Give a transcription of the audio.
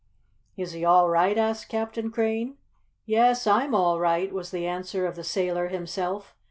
"Is he all right?" asked Captain Crane. "Yes, I'm all right," was the answer of the sailor himself.